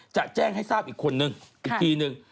จะแจ้งให้ทราบอีกคนนึงอีกทีนึง